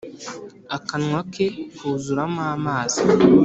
Akanwa ke kuzuramo amazi,